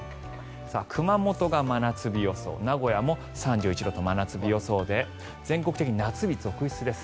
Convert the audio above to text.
熊本が真夏日予想名古屋も３１度と真夏日予想で全国的に夏日続出です。